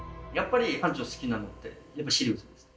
館長好きなのってやっぱりシリウスですか？